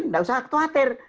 tidak usah khawatir